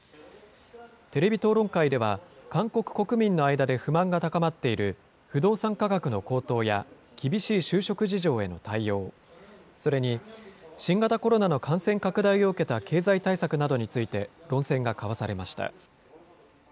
テレビ討論会では、韓国国民の間で不満が高まっている不動産価格の高騰や、厳しい就職事情への対応、それに新型コロナの感染拡大を受けた経済対策などについて、論戦が交わされました。